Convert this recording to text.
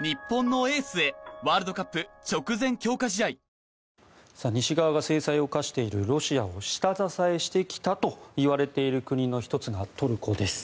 明治おいしい牛乳西側が制裁を科しているロシアを下支えしてきたといわれている国の１つがトルコです。